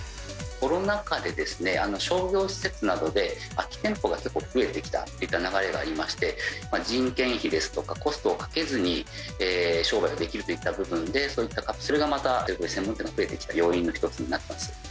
コロナ禍で、商業施設などで空き店舗が結構増えてきたという流れがありまして、人件費ですとか、コストをかけずに商売ができるといった部分で、そういったカプセルが、また、専門店が増えてきた要因の１つになってます。